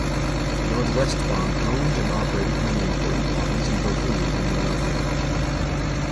Nordwestbahn owned and operated many important lines in Bohemia and Moravia.